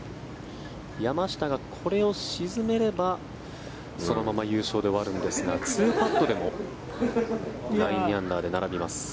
山下がこれを沈めればそのまま優勝で終わるんですが２パットでも９アンダーで並びます。